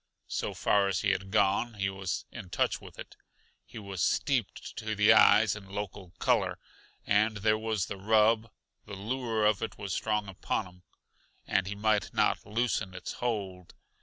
So far as he had gone, he was in touch with it; he was steeped to the eyes in local color and there was the rub The lure of it was strong upon him, and he might not loosen its hold.